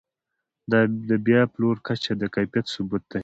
د بیا پلور کچه د کیفیت ثبوت دی.